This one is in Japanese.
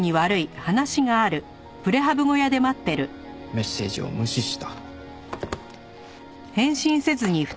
メッセージを無視した。